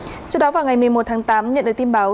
trước đó vào ngày một mươi một tháng tám nhận được tin báo